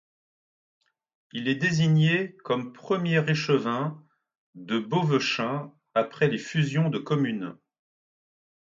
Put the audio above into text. Il est désigné comme Premier échevin dfe Beauvechain après les fusions de communes.